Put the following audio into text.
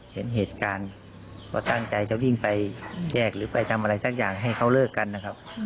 เห็นเหตุการณ์ก็ตั้งใจจะวิ่งไปแยกหรือไปทำอะไรสักอย่างให้เขาเลิกกันนะครับ